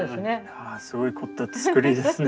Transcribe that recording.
すごい凝った作りですね。